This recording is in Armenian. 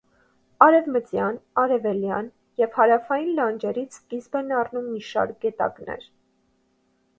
Արևմտյան, արևելյան և հարավային լանջերից սկիզբ են առնում մի շարք գետակներ։